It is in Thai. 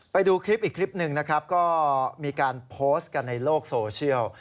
ไปดูคลิปอีกคลิปหนึ่งนะครับก็มีการโพสต์กันในโลกโซเชียล